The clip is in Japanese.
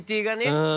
うん。